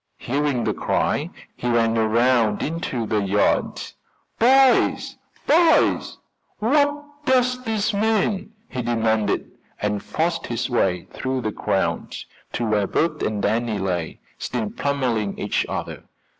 Hearing the cry he ran around into the yard. "Boys! boys! what does this mean?" he demanded, and forced his way through the crowd to where Bert and Danny lay, still pummeling each other.